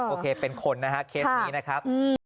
โอเคเป็นคนนะฮะเคสนี้นะครับ